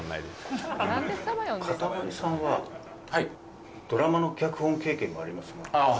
かたまりさんははいドラマの脚本経験もありますがああ